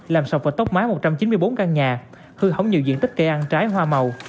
làm sọc vào tóc mái một trăm chín mươi bốn căn nhà hư hỏng nhiều diện tích cây ăn trái hoa màu